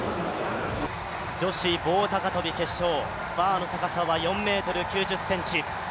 女子棒高跳決勝、バーの高さは４ｍ９０ｃｍ。